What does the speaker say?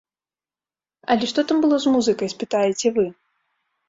Але што там было з музыкай, спытаеце вы?